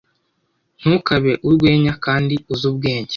ntukabe urwenya.kandi uzi ubwenge